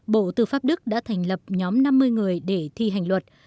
bộ tư pháp đức đã thành lập nhóm năm mươi người để thi hành luật